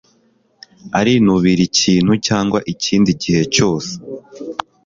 Arinubira ikintu cyangwa ikindi gihe cyose. (